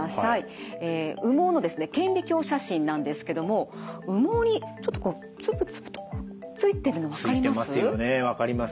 羽毛の顕微鏡写真なんですけども羽毛にちょっとこうつぶつぶとついてるの分かります？